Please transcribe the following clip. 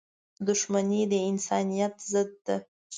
• دښمني د انسانیت ضد ده.